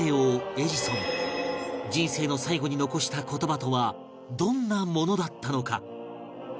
人生の最期に残した言葉とはどんなものだったのか？